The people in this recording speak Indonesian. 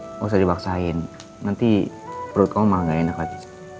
enggak usah dibaksain nanti perut kamu malah enggak enak lagi